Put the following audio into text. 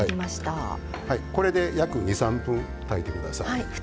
これで約２３分炊いてください。